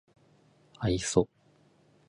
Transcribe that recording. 愛想